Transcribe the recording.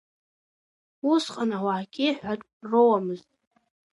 Усҟан ауаагьы ҳәатә роуамызт.